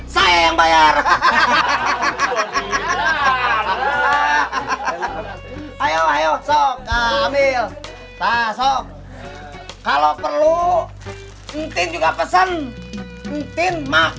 saya min rebus ceh